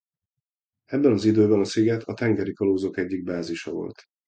Ebben az időben a sziget a tengeri kalózok egyik bázisa volt.